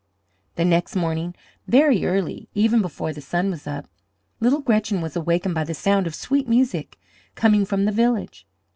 The next morning, very early, even before the sun was up, little Gretchen was awakened by the sound of sweet music coming from the village.